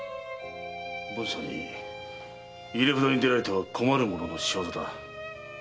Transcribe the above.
文さんに入札に出られては困る者の仕業だ。